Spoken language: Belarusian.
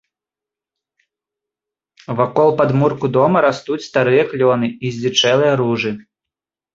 Вакол падмурку дома растуць старыя клёны і здзічэлыя ружы.